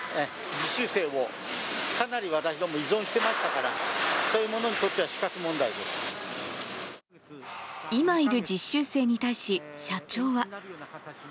実習生を、かなり私ども依存してましたから、そういう者にとっては死活問題で今いる実習生に対し社長は。